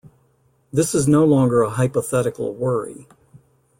This is no longer a hypothetical worry.